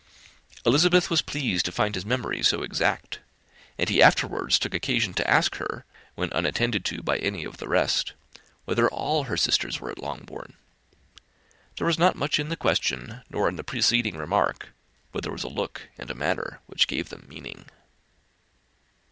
Elizabeth was pleased to find his memory so exact; and he afterwards took occasion to ask her, when unattended to by any of the rest, whether all her sisters were at Longbourn. There was not much in the question, nor in the preceding remark; but there was a look and a manner which gave them meaning.